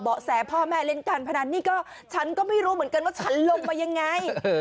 แสพ่อแม่เล่นการพนันนี่ก็ฉันก็ไม่รู้เหมือนกันว่าฉันลงมายังไง